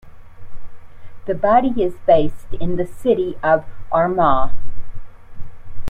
The body is based in the city of Armagh.